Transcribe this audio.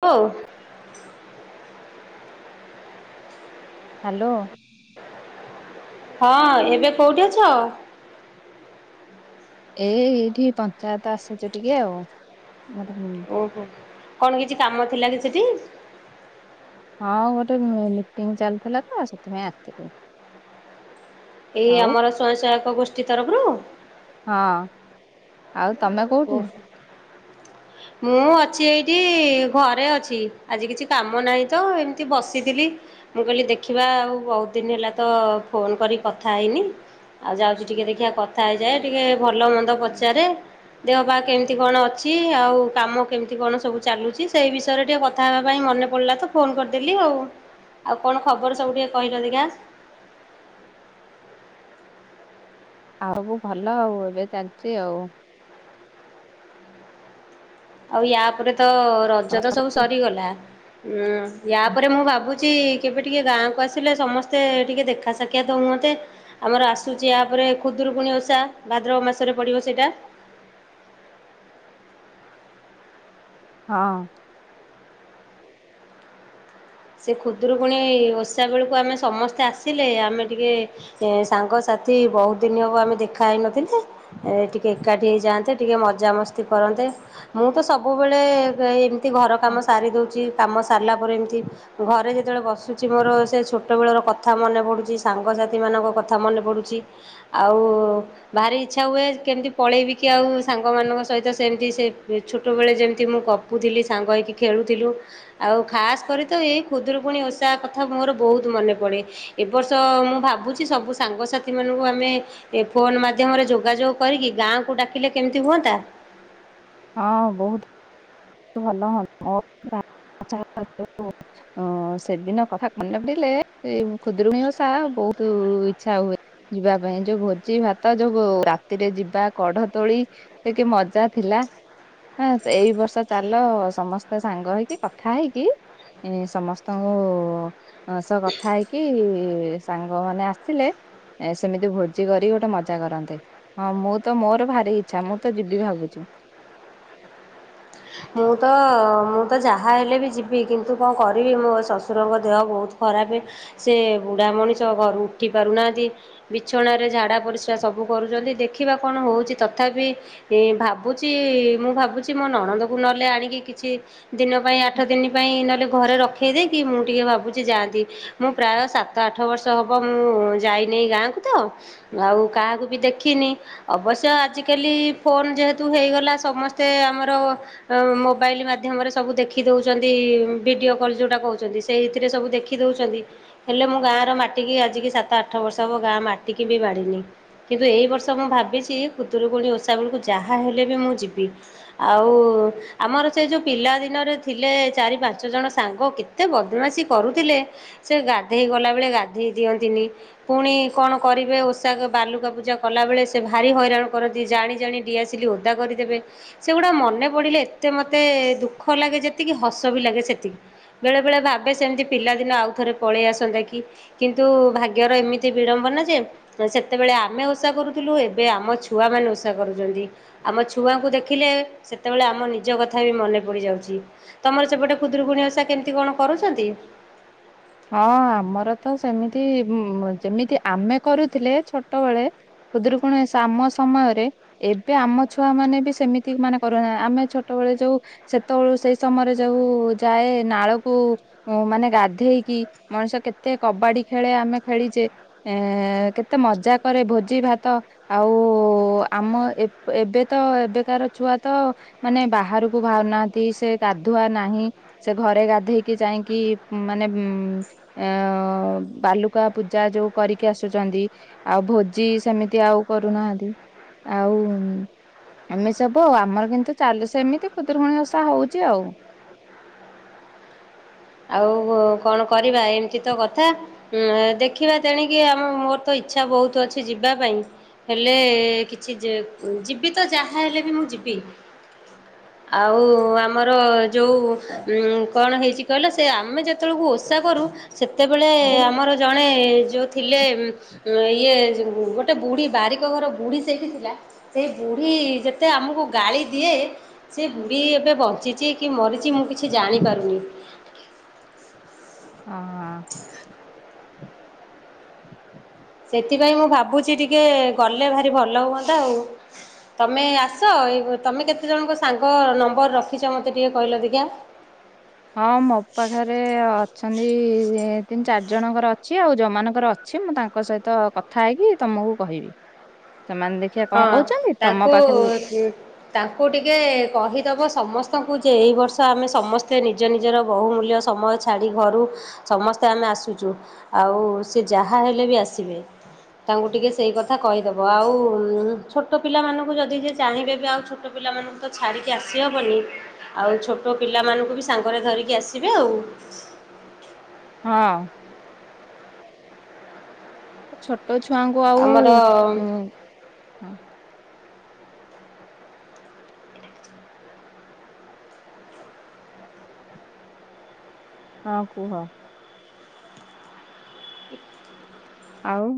ଓ hello. ହଁ ଏବେ କଉଠି ଅଛ? ଏ ଏଇଠି ପଞ୍ଚାୟତ ଆସିଛୁ ଟିକେ ଆଉ ମତେ ଉଁ ଓହୋ। କଣ କିଛି କାମ ଥିଲା କି ସେଠି? ହଁ ଗୋଟେ ମ ମିଟିଙ୍ଗ ଚାଲିଥିଲା ତ ସେଥିପାଇଁ ଆସିଥିଲୁ। ଏଇ ଆଉ ଆମର ସ୍ଵୟଂ ସହାୟକ ଗୋଷ୍ଠୀ ତରଫରୁ। ହଁ। ଆଉ ତମେ କୋଉଠି? ହ ମୁଁ ଅଛି ଏଇଠି ଘରେ ଅଛି ଆଜି କିଛି କାମ ନାହିଁ ତ ଏମିତି ବସିଥିଲି। ମୁଁ କହିଲି ଦେଖିବା ଆଉ ବହୁତ ଦିନ ହେଲା ତ ଫୋନ୍ କରି କଥା ହେଇନି। ଆଉ ଯାଉଛି ଟିକେ ଦେଖିବା କଥା ହେଇଯାଏ ଟିକେ ଭଲ ମନ୍ଦ ପଚାରେ। ଦେହ ପାହା କେମିତି କଣ ଅଛି ଆଉ କାମ କେମିତି କଣ ସବୁ ଚାଲୁଛି ସେଇ ବିଷୟରେ ଟିକେ କ ଥା ହବା ପାଇଁ ମନେ ପଡ଼ିଲା ତ ଫୋନ୍ କରିଦେଲି ଆଉ। ଆଉ କଣ ଖବର ସବୁ ଟିକେ କହିଲ ଦେଖିଆ। ଆଉ ଭଲ ଆଉ ଏବେ ଚାଲିଛି ଆଉ। ଆଉ ୟା ପରେ ତ ରଜ ତମ- ତ ସବୁ ସରିଗଲା। ଉଁ ୟା ପରେ ମୁଁ ଭାବୁଛି କେବେ ଟିକେ ଗାଁକୁ ଆସିଲେ ସମସ୍ତେ ଟିକେ ଦେଖା ସା କ୍ଷାତ ହୁଅନ୍ତେ ଆମର ଆସୁଛି ୟାପରେ ଖୁଦୁରୁକୁୁଣି ଓଷା ଭାଦ୍ରବ ମାସରେ ପଡ଼ିବ ସେଇଟା। ହଁ। ସେ ଖୁଦୁରୁକୁଣି ଓଷା ବେଳକୁ ଆମେ ସମସ୍ତେ ଆସିଲେ ଆମେ ଟିକେ। ଏ ସାଙ୍ଗସାଥି ବହୁତ ଦିନ ହବ ଆମେ ଦେଖା ହେଇନଥିଲେ। ଏ ଟିକେ ଏକାଠି ହେଇଯାଆନ୍ତେ ଟିକେ ମଜାମସ୍ତି କରନ୍ତେ ମୁଁ ତ ସବୁବେଳେ ଏ ତି ଘର କାମ ସାରି ଦଉଛି କାମ ସାରିଲା ପରେ ଏମିତି। ଘରେ ଯେତେବେଳେ ବସୁଛି ମୋର ସେ ଛୋଟବେଳର କଥା ମନେ ପଡୁଛି ସାଙ୍ଗସାଥିମାନଙ୍କ କଥା ମନେ ପଡୁଛି। ଆଉ। ଭାରି ଇଚ୍ଛା ହୁଏ କେମିତି ପଳେଇବି କିି ଆଉ ସାଙ୍ଗମାନଙ୍କ ସହିତ ସେମିତି ସେ ଛୋଟବେଳେ ଯେମିତି ମୁଁ କ ପୁଥିଲି ସାଙ୍ଗ ହେଇକି ଖେଳୁଥିଲୁ ଆଉ ଖାସ୍ କରି ତ ଏଇ ଖୁଦୁରୁକୁଣୀ ଓଷା କଥା ମୋର ବହୁତ ମନେ ପଡ଼େ। ଏବର୍ଷ ମୁଁ ଭାବୁଛି ସବୁ ସାଙ୍ଗସାଥିମାନଙ୍କୁ ଆମେ। ଏ ଫୋନ ମାଧ୍ୟମରେ ଯୋଗାଯୋଗ କରିକି ଗାଁକୁ ଡାକିଲେ କେମିତି ହୁଅନ୍ତା? ହଁ ବହୁତ ତୁ ଭଲ ହଁ [inaudible] ଅଁ ସେଦିନ କଥା ମନେ ପଡିଲେ ସେଇ ଉଁ ଖୁଦୁରୁକୁଣୀ ଓଷା ବୋହୁତୁ ଇଚ୍ଛା ହୁଏ ଯିବା ପାଇଁ ଯୋଉ ଭୋଜି ଭାତ ଯୋଉଗୁ ରାତିରେ ଯିବା କଢ ତୋଳି ତିକି ମଜା ଥିଲା ହଁ ତ ଏଇ ବର୍ଷ ଚାଲ ସମସ୍ତେ ସାଙ୍ଗ ହେଇକି କଥା ହେଇକି ଇଁ ସମସ୍ତଙ୍କୁ ଅଁ ସ କଥା ହେଇକି ସାଙ୍ଗମାନେ ଆସିଲେ ଏ ସେମିତି ଭୋଜି କରିକି ଗୋଟେ ମଜା କରନ୍ତେ। ହଁ ମୁଁ ତ ମୋର ଭାରି ଇଚ୍ଛା ମୁଁ ତ ଯିବି ଭାବୁଛି। ମୁଁ ତ ମୁଁ ତ ଯାହା ହେଲେ ବି ଯିବି କିନ୍ତୁ କଁ କରିବି ମୋ ଶଶୁରଙ୍କ ଦେହ ଭୋଉତ ଖରାପେ ସେ ବୁଡା ମଣିଷ ଘରୁ ଉଠି ପାରୁନାଆନ୍ତି। ବିଛଣାରେ ଝାଡା ପରିସ୍ରା ସବୁ କରୁଚନ୍ତି ଦେଖିବା କଣ ହଉଚି ତଥାପି ଏଁ ଭାବୁଚି ମୁଁ ଭାବୁଛି ମୋ ନଣନ୍ଦକୁ ନହେଲେ ଆଣିକି କିଛି ଦିନ ପାଇଁ ଆଠ ଦିନି ପାଇଁ ନହେଲେ ଘରେ ରଖେଇ ଦେଇକି ମୁଁ ଟିକେ ଭାବୁଚି ଯାଆନ୍ତି। ମୁଁ ପ୍ରାୟ ସାତ ଆଠ ବର୍ଷ ହବ ମୁଁ ଯାଇ ନେଇ ଗାଁକୁ ତ। ଆଉ କାହାକୁ ବି ଦେଖିନି। ଅବଶ୍ୟ ଆଜିକାଲି ଫୋନ୍ ଯେହେତୁ ହେଇଗଲା ସମସ୍ତେ ଆମର ଆଉଁ ମୋବାଇଲି ମାଧ୍ୟମରେ ସବୁ ଦେଖିଦଉଚନ୍ତି ଉଁ ଭିଡିଓ କଲ ଯୋଉଟା କହୁଛନ୍ତି। ସେଇଥିରେ ସବୁ ଦେଖି ଦଉଛନ୍ତି। ହେଲେ ମୁଁ ଗାଁର ମାଟିକି ଆଜିକି ସାତ ଆଠ ବର୍ଷ ହବ ଗାଁ ମାଟିକି ବି ମାଡିନି। କିନ୍ତୁ ଏଇ ବର୍ଷ ମୁଁ ଭାବିଚି ଖୁଦୁରୁକୁଣୀ ଓଷା ବେଳୁକୁ ଯାହା ହେଲେ ବି ମୁଁ ଯିବି। ଆଉ ଆମର ସେ ଯୋଉ ପିଲାଦିନରେ ଥିଲେ ଚାରି ପାଞ୍ଚ ଜଣ ସାଙ୍ଗ କେତେ ବଦମାସୀ କରୁଥିଲେ। ସେ ଗାଧେଇ ଗଲାବେଳେ ଗାଧେଇ ଦିଅନ୍ତିନି। ପୁଣି କଣ କରିବେ ଓଷା ଏକା ବାଲୁକା ପୂଜା କଲାବେଳେ ସେ ଭାରି ହଇରାଣ କରନ୍ତି ଜାଣି ଜାଣି ଡିଆସିଲି ଓଦା କରିଦେବେ ସେଗୁଡାକ ମନେ ପଡିଲେ ତେ ମତେ ଦୁଃଖ ଲାଗେ ଯେତିକି ହସ ବି ଲାଗେ ସେତିକି। ବେଳେବେଳେ ଭାବେ ସେମତି ପିଲାଦିନ ଆଉଥରେ ପଳେଇ ଆସନ୍ତା କି। କିନ୍ତୁ ଭାଗ୍ୟର ଏମିତି ବିଡମ୍ବନା ଯେ ଏଁ ସେତେବେଳେ ଆମେ ଓଷା କରୁଥିଲୁ ଏବେ ଆମ ଛୁଆମାନେ ଓଷା କରୁଚନ୍ତି। ଆମ ଛୁଆଙ୍କୁ ଦେଖିଲେ ସେତେବେଳେ ଆମ ନି ଜ କଥା ବି ମନେ ପଡି ଯାଉଚି ତମର ସେପଟେ ଖୁଦୁରୁକୁଣୀ ଓଷା କେମତି କଣ କରୁଛନ୍ତି? ହଁ ଆମର ତ ସେମିତି ଉଁ ଯେମିତି ଆମେ କରୁଥିଲେ ଛୋଟବେଳେ ଖୁଦୁରୁକୁଣୀ ଓଷା ଆମ ସମୟରେ ଏବେ ଆମ ଛୁଆମାନେ ବି ସେମିତି ମାନେ କରୁଣା ଆମେ ଛୋଟବେଳେ ଯୋଉ ସେତେବେଳୁ ସେଇ ସମୟରେ ଯୋଉ ଯାଏ ନାଳକୁ ଉଁ ମାନେ ଗାଧେଇ କି ମଣିଷ କେତେ କବାଡି ଖେଳେ ଆମେ ଖେଳିଚେ। ଏଁ କେତେ ମଜା କରେ ଭୋଜି ଭାତ ଆଉ ଆମ ଏବ୍ ଏବେ ତ ଏବେକାର ଛୁଆ ତ ମାନେ ବାହାରୁକୁ ଭାରୁନାହାନ୍ତି ସେ ଗାଧୁଆ ନାହିଁ। ସେ ଘରେ ଗାଧେଇକି ଯାଇଁକି ଉଁ ମାନେ ହୁଁ ଏ ଓ ବାଲୁକା ପୂଜା ଯୋଉ କରିକି ଆସୁଚନ୍ତି। ଆଉ ଭୋଜି ସେମିତି ଆଉ କରୁନାହାନ୍ତି ଆଉ ଉଁ ଆମେ ସବୁ ଆମର କିନ୍ତୁ ଚାଲୁ ସେମିତି ଖୁଦୁରୁକୁଣୀ ଓଷା ହଉଚି ଆଉ। ଆଉ କଣ କରିବା ଏମତି ତ କଥା। ଉଁ ହାଁ ଦେଖିବା ତେଣିକି ଆମ ମୋର ତ ଇଚ୍ଛା ବୋହୁତୁ ଅଛି ଯିବା ପାଇଁ। ହେଲେ କିଛି ଯିବି ତ ଯାହା ହେଲେ ବି ମୁଁ ଯିବି। ଆଉ ଆମର ଯୋଉ କଣ ହେଇଛି କଇଲେ ସେ ଆମେ ଯେତେବେଳକୁ ଓଷା କରୁ ସେତେବେଳେ ହଁ ଆମର ଜଣେ ଯୋଉ ଥିଲେ ଇଏ ଗୋଟେ ବୁଢ଼ୀ ବାରିକ ଘର ବୁଢ଼ୀ ସେଇଠି ଥିଲା। ସେ ବୁଢୀ ଯେତେ ଆମକୁ ଗାଳି ଦିଏ। ସେ ବୁଢି ଏବେ ବଞ୍ଚିଚି କି ମରିଚି ମୁଁ କିଛି ଜାଣିପାରୁନି। ଅହୋ ସେଥିପାଇଁ ମୁଁ ଭାବୁଚି ଟିକେ ଗଲେ ଭାରି ଭଲ ହୁଅନ୍ତା ଆଉ। ତୁମେ ଆସ ଏଇ ତୁମେ କେତେଜଣଙ୍କ ସାଙ୍ଗ ନମ୍ବର ରଖିଚ ମୋତେ ଟିକେ କହିଲ ଦେଖିଆ। ହଁ ମୋ ପାଖରେ ଅଛନ୍ତି ତିନି ଚାରି ଜଣଙ୍କର ଅଛି ଆଉ ଯୋଉମାନଙ୍କର ଅଛି ମୁଁ ତାଙ୍କ ସହିତ କଥା ହେଇକି ତମକୁ କହିବି ସେମାନେ ଦେଖିବା ହଁ କଣ କହୁଛନ୍ତି ତମ ତାଙ୍କୁ ପାଖରେ ତାଙ୍କୁ ଟିକେ କହିଦେବ ସମସ୍ତଙ୍କୁ ଯେ ଏହି ବର୍ଷ ଆମେ ସମସ୍ତେ ନିଜ ନିଜର ବହୁମୂଲ୍ୟ ସମୟ ଛାଡି ଘରୁ ସମସ୍ତେ ଆମେ ଆସୁଚୁ ଆଉ ସେ ଯାହା ହେଲେ ବି ଆସିବେ। ତାଙ୍କୁ ଟିକେ ସେଇ କଥା କହିଦବ ଆଉ ଉଁ ଛୋଟ ପିଲାମାନଙ୍କୁ ଯଦି ଯିଏ ଚାହିଁବେ ବି ଆଉ ଛୋଟ ପିଲାମାନଙ୍କୁ ତ ଛାଡ଼ିକି ଆସିହବନି ଆଉ ଛୋଟ ପିଲାମାନଙ୍କୁ ବି ସାଙ୍ଗରେ ଧରିକି ଆସିବେ ଆଉ। ହଁ। ଛୋଟ ଛୁଆଙ୍କୁ ଆଉ ଆମର ଉ ହଁ କୁହ। ଆଉ।